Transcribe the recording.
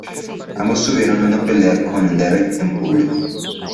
Ambos tuvieron una pelea con Derek en público.